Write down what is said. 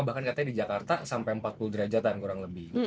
bahkan katanya di jakarta sampai empat puluh derajat kan kurang lebih